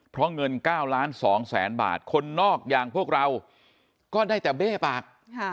เพราะเงิน๙ล้าน๒แสนบาทคนนอกอย่างพวกเราก็ได้แต่เบ้ปาก